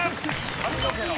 髪の毛の？